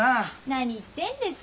何言ってんですか。